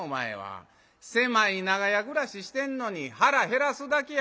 狭い長屋暮らししてんのに腹減らすだけや」。